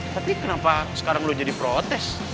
tapi kenapa sekarang udah jadi protes